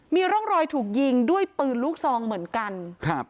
มีร่องรอยถูกยิงด้วยปืนลูกซองเหมือนกันครับ